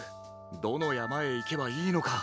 どのやまへいけばいいのか。